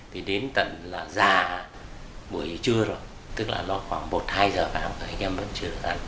thì đến tận là già buổi trưa rồi tức là nó khoảng một hai giờ vào